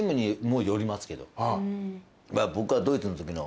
僕は。